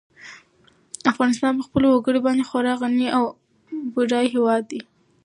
افغانستان په خپلو وګړي باندې خورا غني او بډای هېواد دی.